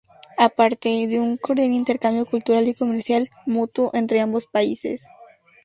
A parte, de un cordial intercambio cultural y comercial mutuo entre ambos países.